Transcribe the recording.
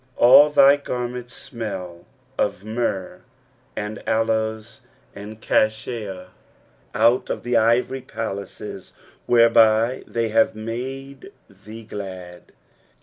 8 All thy garments smell of myrrh, and aloes, and cassia, out of the ivory palaces, whereby they have made thee glad.